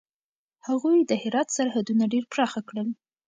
هغوی د هرات سرحدونه ډېر پراخه کړل.